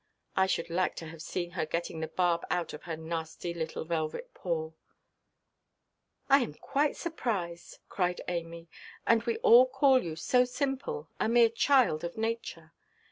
I should like to have seen her getting the barb out of her nasty little velvet paw." "I am quite surprised," cried Amy; "and we all call you so simple—a mere child of nature!